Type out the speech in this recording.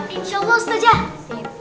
insya allah ustadzah